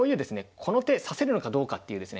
この手指せるのかどうかっていうですね